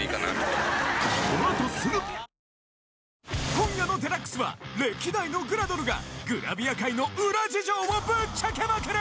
今夜の『ＤＸ』は歴代のグラドルがグラビア界の裏事情をぶっちゃけまくる！！